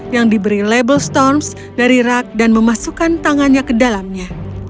yang diberi label storms dari rak dan memasukkan tangannya ke dalamnya